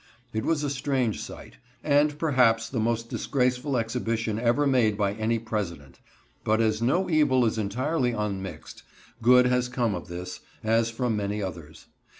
It was a strange sight, and perhaps the most disgraceful exhibition ever made by any President; but, as no evil is entirely unmixed, good has come of this, as from many others.